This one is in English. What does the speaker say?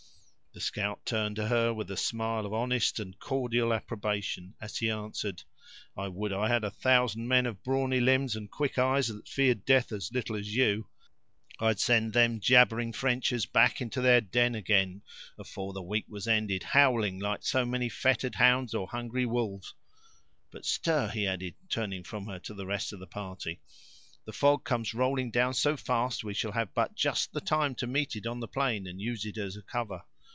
The scout turned to her with a smile of honest and cordial approbation, as he answered: "I would I had a thousand men, of brawny limbs and quick eyes, that feared death as little as you! I'd send them jabbering Frenchers back into their den again, afore the week was ended, howling like so many fettered hounds or hungry wolves. But, stir," he added, turning from her to the rest of the party, "the fog comes rolling down so fast, we shall have but just the time to meet it on the plain, and use it as a cover.